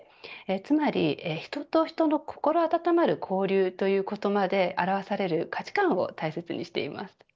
つまり、人と人の心温まる交流という言葉で表される価値観を大切にしています。